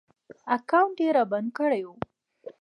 اکاونټ ېې رابند کړی و